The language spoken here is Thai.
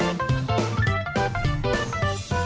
เวลาที่สุด